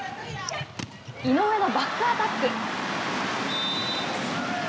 井上のバックアタック。